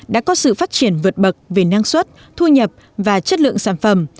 đã có sự phát triển vượt bậc về năng suất thu nhập và chất lượng sản phẩm